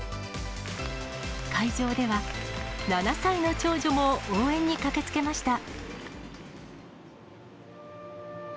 会場では、７歳の長女も応援に駆けつけました。